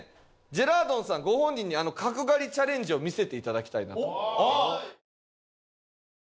ジェラードンさんご本人に角刈りチャレンジを見せて頂きたいなと。